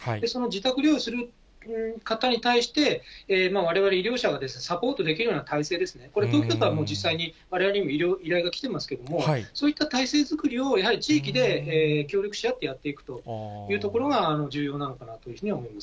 その自宅療養する方に対して、われわれ医療者がサポートできるような体制ですね、これ、東京都は実際にわれわれ医療者にも依頼が来てますけれども、そういった体制作りを、やはり地域で協力し合ってやっていくというところが重要なのかな